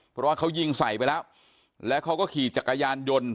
เพราะว่าเขายิงใส่ไปแล้วแล้วเขาก็ขี่จักรยานยนต์